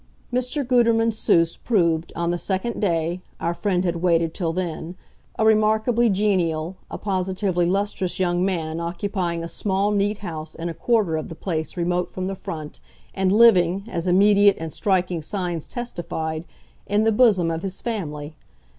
Mr. Gutermann Seuss proved, on the second day our friend had waited till then a remarkably genial, a positively lustrous young man occupying a small neat house in a quarter of the place remote from the front and living, as immediate and striking signs testified, in the bosom of his family.